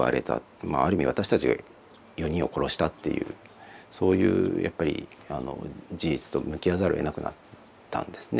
ある意味私たちが４人を殺したっていうそういうやっぱり事実と向き合わざるをえなくなったんですね。